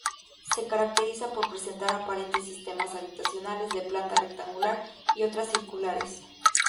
Se caracteriza por presentar aparentes sistemas habitacionales de planta rectangular y otras circulares.